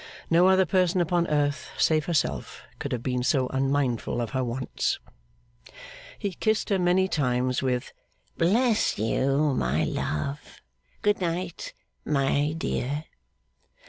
No other person upon earth, save herself, could have been so unmindful of her wants. He kissed her many times with 'Bless you, my love. Good night, my dear!